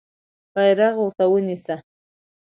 بیرغ ورته ونیسه.